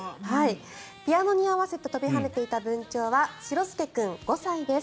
ピアノに合わせて跳びはねていたブンチョウはしろすけ君、５歳です。